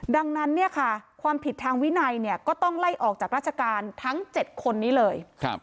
ดังนั้นความผิดทางวินัยก็ต้องไล่ออกจากราชการทั้ง๗คนนี้เลย